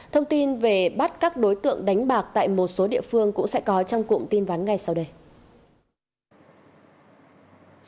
thông tin về bắt các đối tượng đánh bạc tại một số địa phương cũng sẽ có trong cụm tin vắn ngay sau đây